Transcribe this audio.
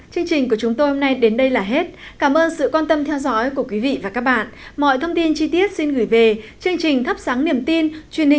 xin chào và hẹn gặp lại quý vị và các bạn trong những chương trình tiếp theo